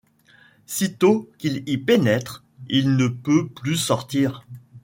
Sitôt qu’il y pénètre, il ne peut plus sortir ;